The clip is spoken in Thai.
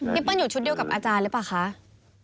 เปิ้ลอยู่ชุดเดียวกับอาจารย์หรือเปล่าคะ